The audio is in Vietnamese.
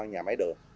nhà máy đường